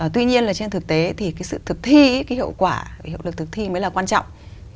tuy nhiên là trên thực tế thì cái sự thực thi cái hiệu quả hiệu lực thực thi mới là quan trọng